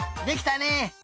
できたね！